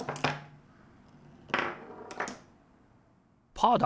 パーだ！